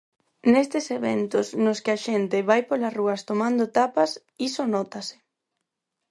Nestes eventos nos que a xente vai polas rúas tomando tapas, iso nótase.